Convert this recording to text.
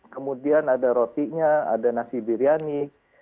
kemudian ada rotinya ada nasi biryani